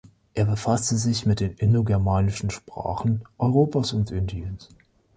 Er befasste sich mit den indogermanischen Sprachen Europas und Indiens.